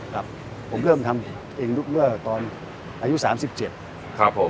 ครับผมเริ่มทำเองเมื่อตอนอายุ๓๗ครับผม